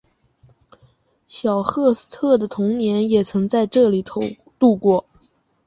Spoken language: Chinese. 小赫斯特的童年也曾在这里度过。